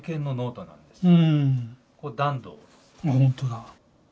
あっほんとだ。